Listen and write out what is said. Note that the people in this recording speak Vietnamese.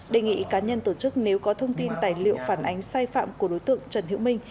đề nghị cá nhân tổ chức nếu có thông tin tài liệu phản ánh sai phạm của đối tượng trần hữu minh